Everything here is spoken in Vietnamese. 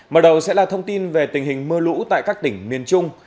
mở đầu sẽ là thông tin về tình hình mưa lũ tại các tỉnh miền trung